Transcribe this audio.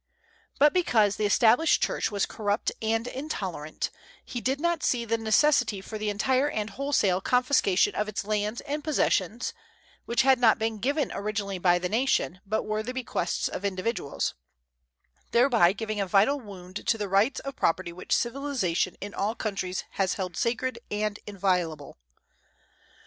But because the established church was corrupt and intolerant, he did not see the necessity for the entire and wholesale confiscation of its lands and possessions (which had not been given originally by the nation, but were the bequests of individuals), thereby giving a vital wound to all the rights of property which civilization in all countries has held sacred and inviolable.